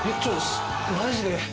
マジで。